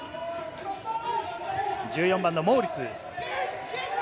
１４番のモウリス。